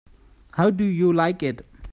How do you like it?